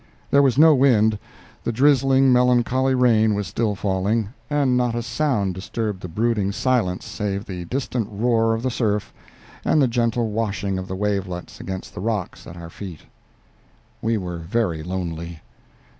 There was no wind; the drizzling, melancholy rain was still falling, and not a sound disturbed the brooding silence save the distant roar of the surf and the gentle washing of the wavelets against the rocks at our feet. We were very lonely.